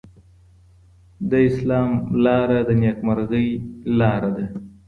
د اسلام لاره د نېکمرغۍ لاره ده.